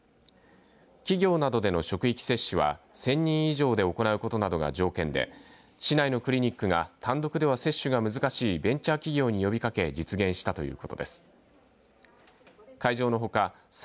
企業などでの職域接種は１０００人以上で行うことなどが条件で市内のクリニックが単独では接種が難しいベンチャー企業に呼びかけ実現したということです。